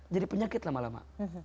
jadi penyakit lama lama